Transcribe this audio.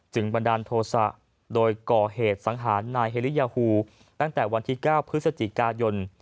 บันดาลโทษะโดยก่อเหตุสังหารนายเฮริยาฮูตั้งแต่วันที่๙พฤศจิกายน